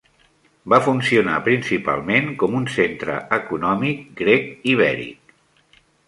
Va funcionar principalment com un centre econòmic grec-ibèric.